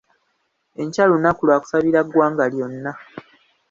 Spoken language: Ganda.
Enkya lunaku lwa kusabira ggwanga lyonna..